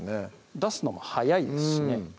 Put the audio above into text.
出すのも早いですしね